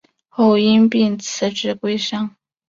后因病辞职归乡。